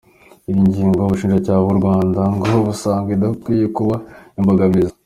Iyi ngingo ubushinjacyaha bw'U Rwanda ngo busanga idakwiye kuba imbogamizi.